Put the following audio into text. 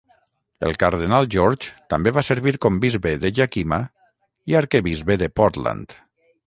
El cardenal George també va servir com bisbe de Yakima i arquebisbe de Portland.